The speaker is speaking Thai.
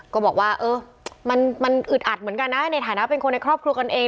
ก็บอกว่าเออมันอึดอัดเหมือนกันนะในฐานะเป็นคนในครอบครัวกันเอง